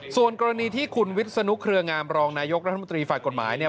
ส่วนกรณีที่คุณวิศนุเครืองามรองนายกรัฐมนตรีฝ่ายกฎหมายเนี่ย